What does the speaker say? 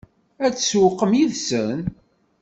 Ad sewweqen yid-sen?